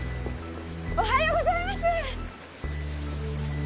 おはようございます！